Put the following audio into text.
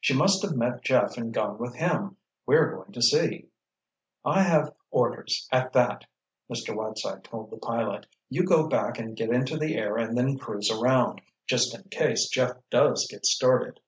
"She must have met Jeff and gone with him. We're going to see." "I have orders, at that," Mr. Whiteside told the pilot. "You go back and get into the air and then cruise around—just in case Jeff does get started."